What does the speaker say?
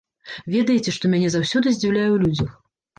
Ведаеце, што мяне заўсёды здзіўляе ў людзях?